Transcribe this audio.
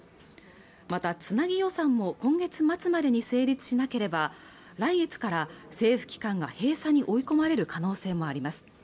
またつなぎ予算も今月末までに成立しなければ来月から政府機関が閉鎖に追い込まれる可能性もあります